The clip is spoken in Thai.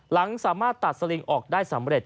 หลังสามารถตัดสลิงออกได้สำเร็จ